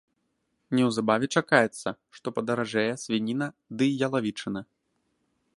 Неўзабаве чакаецца, што падаражэе свініна ды ялавічына.